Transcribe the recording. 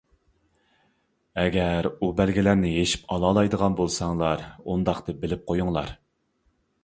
ئەگەر ئۇ بەلگىلەرنى يېشىپ ئالالايدىغان بولساڭلار ئۇنداقتا بىلىپ قويۇڭلار!